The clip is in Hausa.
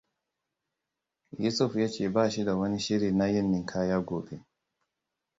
Yusuf ya ce bashi da wani shiri na yin ninkaya gobe.